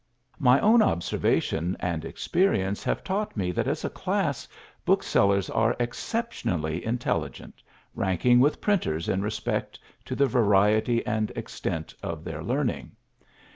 My own observation and experience have taught me that as a class booksellers are exceptionally intelligent, ranking with printers in respect to the variety and extent of their learning.